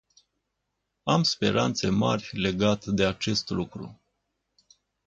Am speranțe mari legat de acest lucru.